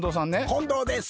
近藤です。